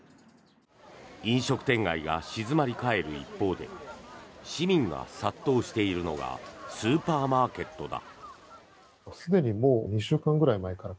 飲食店街が静まり返る一方で市民が殺到しているのがスーパーマーケットだ。